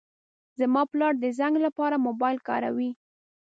زما پلار د زنګ لپاره موبایل کاروي.